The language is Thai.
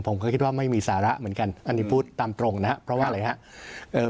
ผมก็คิดว่าไม่มีสาระเหมือนกันอันนี้พูดตามตรงนะครับเพราะว่าอะไรครับ